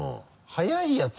早いやつ？